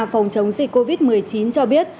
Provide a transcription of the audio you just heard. phòng chống dịch covid một mươi chín cho biết